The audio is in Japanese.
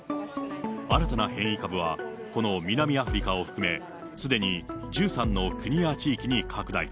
新たな変異株は、この南アフリカを含め、すでに１３の国や地域に拡大。